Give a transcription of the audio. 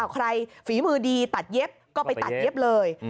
ฝีมือดีตัดเย็บก็ไปตัดเย็บเลย